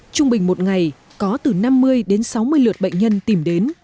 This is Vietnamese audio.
trung bình một ngày có từ năm mươi đến sáu mươi lượt bệnh nhân tìm đến